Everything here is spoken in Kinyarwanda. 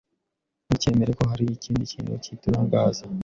Ntukemere ko hari ikindi kintu kiturangaza.